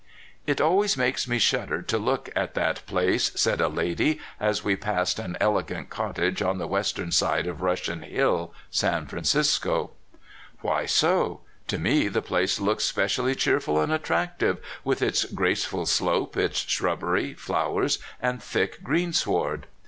"It always makes me shudder to look at that place," said a lady, as we passed an elegant cot tage on the western side of Russian Hill, San Francisco. "Why so? To me the place looks specially cheerful and attractive, with its graceful slope, its shrubbery, flowers, and thick greensward."